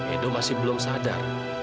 edo masih belum sadar